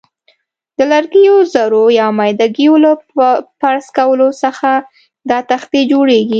د لرګیو ذرو یا میده ګیو له پرس کولو څخه دا تختې جوړیږي.